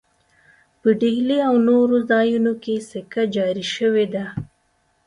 په ډهلي او نورو ځایونو کې سکه جاري شوې ده.